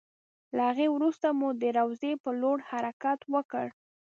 له هغې وروسته مو د روضې په لور حرکت وکړ.